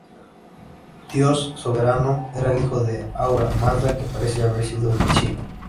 Dios soberano, era el hijo de Ahura Mazda, que parece haber sido el Cielo.